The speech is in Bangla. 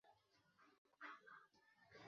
পরিচিত কিছু চরিত্র এবং কিছু ঘটনা ব্যবহার করেছি।